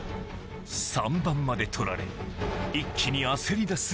３番まで取られ一気に焦りだす